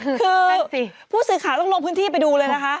คือผู้สื่อข่าวต้องลงพื้นที่ไปดูเลยนะคะ